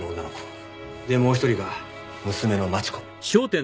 でもう１人が娘の真智子。